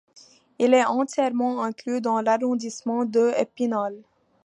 Il est entièrement inclus dans l'arrondissement de Épinal.